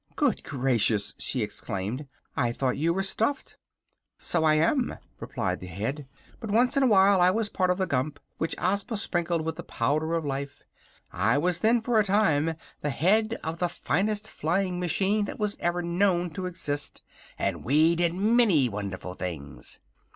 "Good gracious!" she exclaimed. "I thought you were stuffed." "So I am," replied the head. "But once on a time I was part of the Gump, which Ozma sprinkled with the Powder of Life. I was then for a time the Head of the finest Flying Machine that was ever known to exist, and we did many wonderful things.